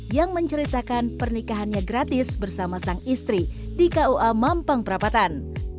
yang menceritakan pernikahannya gratis bersama sang istri di kua mampang perapatan